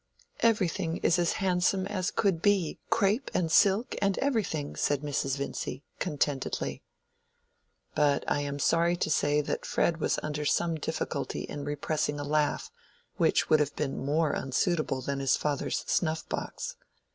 "Everything is as handsome as could be, crape and silk and everything," said Mrs. Vincy, contentedly. But I am sorry to say that Fred was under some difficulty in repressing a laugh, which would have been more unsuitable than his father's snuff box.